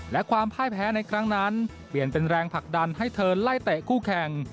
และความพ่ายแพ้ในครั้งนั้นเปลี่ยนเป็นแรงผลักดันให้เธอไล่เตะคู่แข่ง